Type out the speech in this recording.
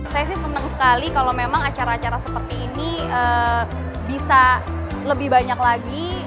saya sih senang sekali kalau memang acara acara seperti ini bisa lebih banyak lagi